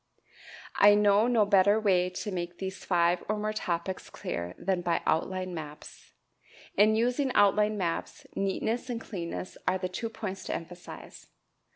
I know no better way to make these five or more topics clear than by outline maps. In using outline maps, neatness and clearness are the two points to emphasize.